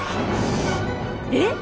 えっ！？